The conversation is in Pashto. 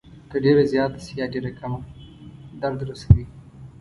که ډېره زیاته شي یا ډېره کمه درد رسوي.